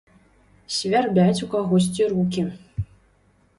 Свярбяць у кагосьці рукі.